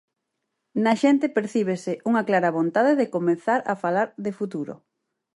Na xente percíbese unha clara vontade de comezar a falar de futuro.